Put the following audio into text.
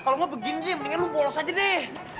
kalau gue begini nih mendingan lo bolos aja deh